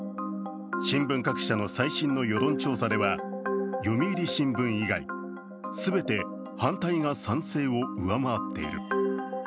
新聞各社の最新の世論調査では、読売新聞以外、全て反対が賛成を上回っている。